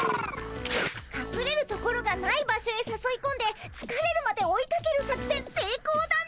かくれるところがない場所へさそいこんでつかれるまで追いかける作戦せいこうだね。